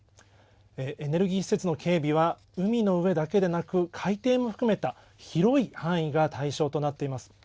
エネルギー施設の警備は海の上だけでなく海底も含めた広い範囲が対象となっています。